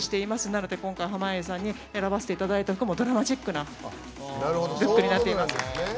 なので、濱家さんに選ばせていただいた服もドラマチックなルックになっています。